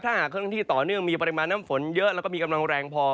ถ้าหากเคลื่อนที่ต่อเนื่องมีปริมาณน้ำฝนเยอะแล้วก็มีกำลังแรงพอ